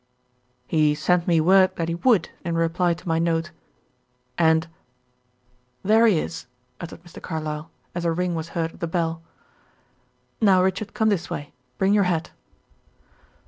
"He sent me word that he would, in reply to my note. And there he is!" uttered Mr. Carlyle, as a ring was heard at the bell. "Now, Richard, come this way. Bring your hat."